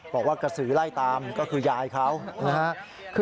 บอกว่ากระสือไล่ตามก็คือยายเขานะครับ